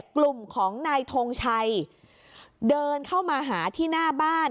กลุ่มของนายทงชัยเดินเข้ามาหาที่หน้าบ้าน